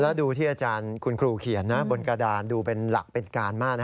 แล้วดูที่อาจารย์คุณครูเขียนบนกระดานดูเป็นหลักเป็นการมาก